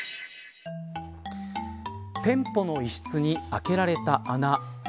店舗の一室にあけられた穴。